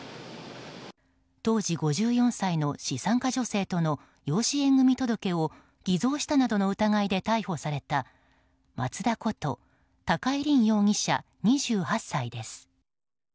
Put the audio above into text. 当時５４歳の資産家女性との養子縁組届を偽造したなどの疑いで逮捕された松田こと高井凜容疑者２８歳です。